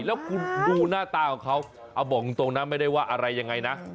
แล้วคุณดูหน้าตาของเขาเอาบอกจริงนะไม่ได้ว่าอะไรยังไงนะ